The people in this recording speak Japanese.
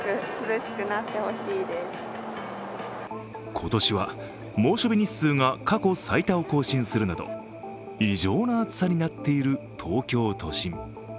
今年は猛暑日日数が過去最多を更新するなど異常な暑さになっている東京都心。